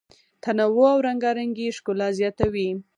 تنوع او رنګارنګي ښکلا زیاتوي.